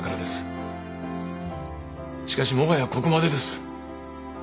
しかしもはやここまでです